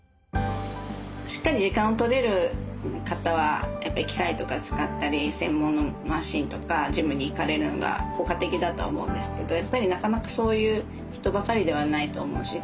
しっかり時間を取れる方は機械とか使ったり専門のマシンとかジムに行かれるのが効果的だと思うんですけどやっぱりなかなかそういう人ばかりではないと思うし